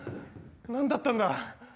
何だったんだ。